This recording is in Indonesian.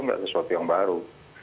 enggak sesuatu yang baru